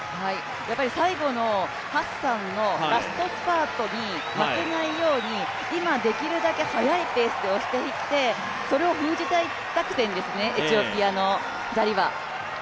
最後のハッサンのラストスパートに負けないように今できるだけ速いペースで押していってそれを封じたい作戦ですね、エチオピアの２人は。